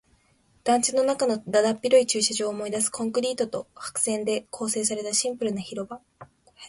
団地の中のだだっ広い駐車場を思い出す。コンクリートと白線で構成されたシンプルな広場。